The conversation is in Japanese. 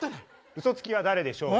ウソつきは誰でしょう？